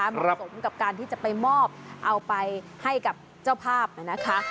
เหมาะสมกับการที่จะไปมอบเอาไปให้กับเจ้าภาพนะคะ